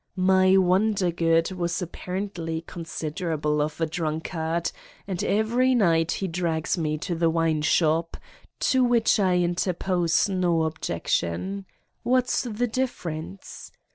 56 Satan's Diary My Wondergood was apparently considerable of a drunkard and every night he drags me to the wineshop, to which I interpose no objection. What's the difference?